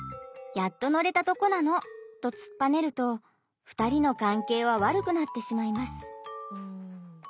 やっと乗れたとこなの！」とつっぱねると２人の関係は悪くなってしまいます。